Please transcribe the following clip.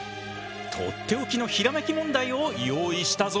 とっておきのひらめき問題を用意したぞ。